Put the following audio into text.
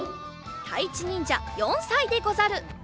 たいちにんじゃ４さいでござる。